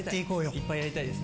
いっぱいやりたいですね。